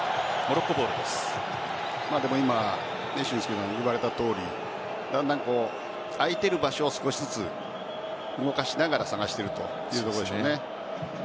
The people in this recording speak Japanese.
今、俊輔さんが言われたとおり空いている場所を少しずつ動かしながら探しているというところでしょうね。